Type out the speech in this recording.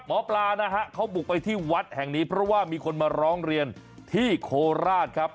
หมอปลานะฮะเขาบุกไปที่วัดแห่งนี้เพราะว่ามีคนมาร้องเรียนที่โคราชครับ